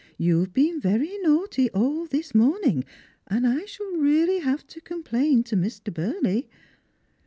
You've been very naughtv all this morning, and I shall really have to complain to Mr. Burley."